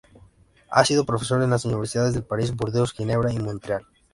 Ha sido profesor en las universidades de París, Burdeos, Ginebra y Montreal.